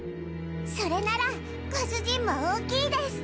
それならご主人も大きいです！